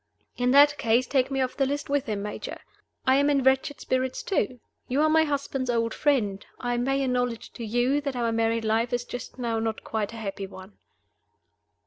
"In that case, take me off the list with him, Major. I am in wretched spirits too. You are my husband's old friend. I may acknowledge to you that our married life is just now not quite a happy one."